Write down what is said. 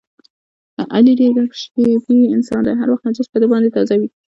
علي ډېر ګپ شپي انسان دی، هر وخت مجلس په ده باندې تازه وي.